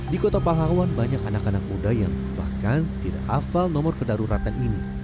di kota pahlawan banyak anak anak muda yang bahkan tidak hafal nomor kedaruratan ini